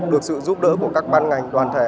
được sự giúp đỡ của các ban ngành đoàn thể